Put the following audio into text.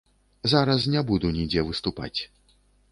Зараз не буду нідзе выступаць.